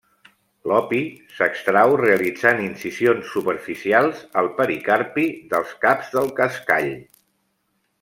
L'opi s'extrau realitzant incisions superficials al pericarpi dels caps del cascall.